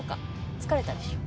疲れたでしょ？